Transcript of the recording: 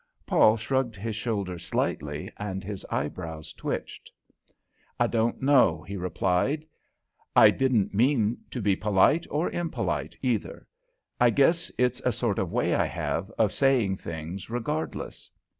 Paul shrugged his shoulders slightly and his eyebrows twitched. "I don't know," he replied. "I didn't mean to be polite or impolite, either. I guess it's a sort of way I have, of saying things regardless."